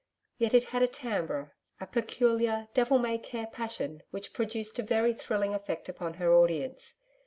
Yet it had a TIMBRE, a peculiar, devil may care passion which produced a very thrilling effect upon her audience.